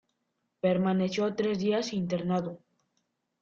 Permaneció tres días internado.